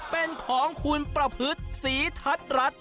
เป็นของคุณประพฤติศรีทัศน์รัฐ